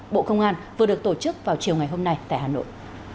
bộ công an vừa được tổ chức vào chiều ngày hôm nay tại hà nội